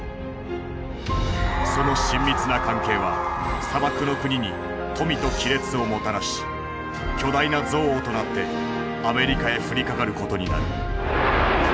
その親密な関係は砂漠の国に富と亀裂をもたらし巨大な憎悪となってアメリカへ降りかかることになる。